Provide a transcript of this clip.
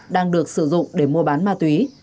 đang được sử dụng để mua bán ma túy